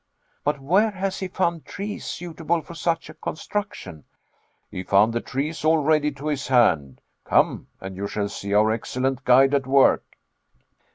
"But where has he found trees suitable for such a construction?" "He found the trees all ready to his hand. Come, and you shall see our excellent guide at work."